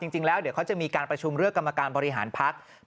จริงแล้วเดี๋ยวเขาจะมีการประชุมเลือกกรรมการบริหารพัก